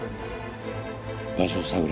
場所を探れ。